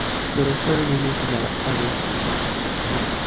Pero fueron unos inadaptados los que le siguieron.